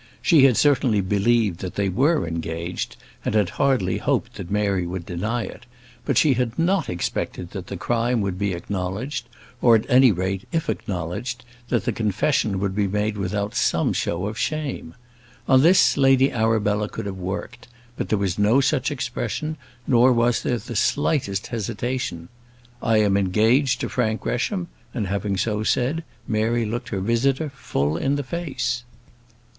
She had certainly believed that they were engaged, and had hardly hoped that Mary would deny it; but she had not expected that the crime would be acknowledged, or, at any rate, if acknowledged, that the confession would be made without some show of shame. On this Lady Arabella could have worked; but there was no such expression, nor was there the slightest hesitation. "I am engaged to Frank Gresham," and having so said, Mary looked her visitor full in the face.